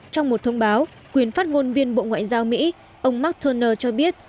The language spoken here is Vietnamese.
trong một thông báo quyền phát ngôn viên bộ ngoại giao mỹ ông mark tonner cho biết